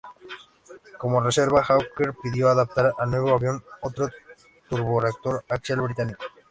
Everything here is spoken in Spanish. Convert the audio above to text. Como reserva, Hawker pidió adaptar al nuevo avión otro turborreactor axial británico.